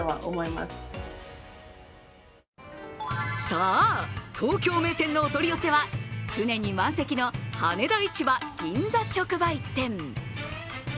さぁ、東京名店のお取り寄せは常に満席の羽田市場銀座直売店。